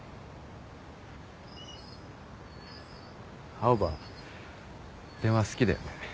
青羽電話好きだよね。